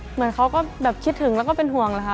เหมือนเขาก็แบบคิดถึงแล้วก็เป็นห่วงแหละค่ะ